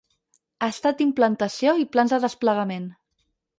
Estat d'implantació i plans de desplegament.